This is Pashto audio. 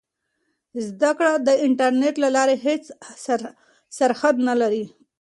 زده کړه د انټرنیټ له لارې هېڅ سرحد نه لري.